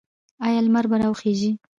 آیا لمر به راوخیږي؟